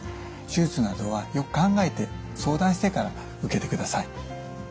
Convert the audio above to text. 手術などはよく考えて相談してから受けてください。